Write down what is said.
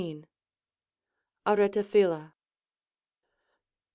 Aretaphila.